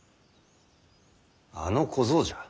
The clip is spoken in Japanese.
あの小僧じゃ。